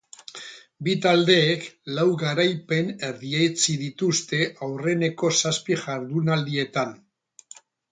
Bi taldeek lau garaipen erdietsi dituzte aurreneko zazpi jardunaldietan.